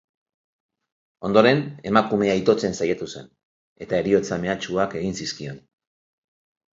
Ondoren, emakumea itotzen saiatu zen eta heriotza mehatxuak egin zizkion.